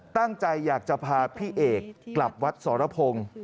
ตั้งใจอยากจะพาพี่เอกกลับวัดสรพงศ์